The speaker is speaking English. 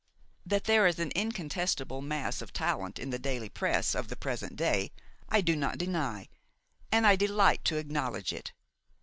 That there is an incontestable mass of talent in the daily press of the present day, I do not deny and I delight to acknowledge it.